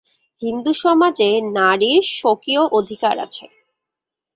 হিন্দুসমাজে নারীর স্বকীয় অধিকার আছে।